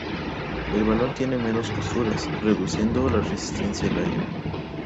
El balón tiene menos costuras, reduciendo la resistencia al aire.